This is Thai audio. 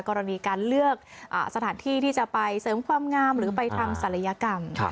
กรณีการเลือกสถานที่ที่จะไปเสริมความงามหรือไปทำศัลยกรรม